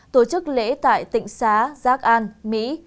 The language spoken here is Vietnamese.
tổ chức lễ tại tỉnh xá giác an mỹ